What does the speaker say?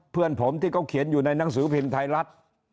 เพื่อนผมที่เขาเขียนอยู่ในหนังสือพิมพ์ไทยรัฐ